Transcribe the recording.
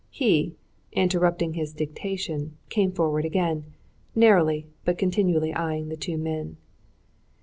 He, interrupting his dictation, came forward again, narrowly but continually eyeing the two men.